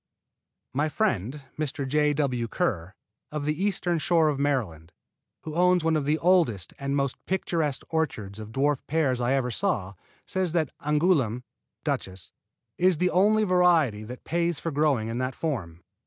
My friend, Mr. J. W. Kerr, of the Eastern Shore of Maryland, who owns one of the oldest and most picturesque orchards of dwarf pears I ever saw, says that Angouleme (Duchess) is the only variety that pays for growing in that form.